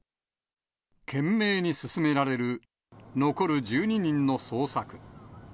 懸命に進められる残る１２人の捜索。